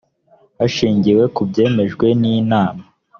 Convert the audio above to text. hashingiwe ku byemejwe n inama